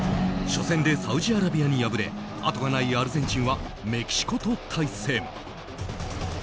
初戦でサウジアラビアに敗れ後がないアルゼンチンはメキシコと対戦。